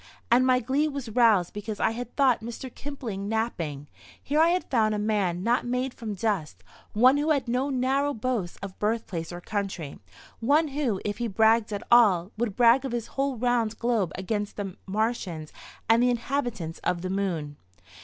And my glee was roused because I had caught Mr. Kipling napping. Here I had found a man not made from dust; one who had no narrow boasts of birthplace or country, one who, if he bragged at all, would brag of his whole round globe against the Martians and the inhabitants of the Moon.